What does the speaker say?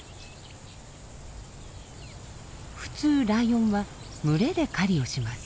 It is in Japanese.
普通ライオンは群れで狩りをします。